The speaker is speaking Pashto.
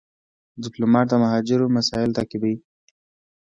ډيپلومات د مهاجرو مسایل تعقیبوي.